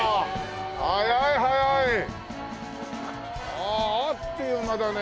あああっという間だね。